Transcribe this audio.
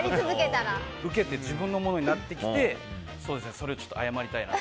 ウケて自分のものになってきて。